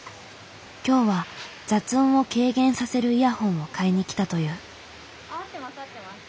今日は雑音を軽減させるイヤホンを買いにきたという。